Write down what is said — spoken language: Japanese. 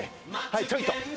はいちょいと。